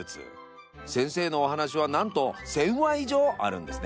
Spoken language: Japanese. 先生のお話はなんと１，０００話以上あるんですね。